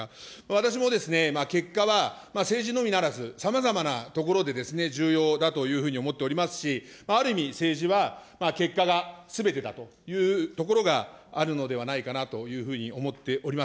私も結果は政治のみならず、さまざまなところで重要だというふうに思っておりますし、ある意味、政治は結果がすべてだというところがあるのではないかなというふうに思っております。